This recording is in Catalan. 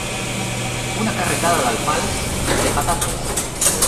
Una carretada d'alfals, de patates.